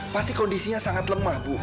pasti kondisinya sangat lemah bu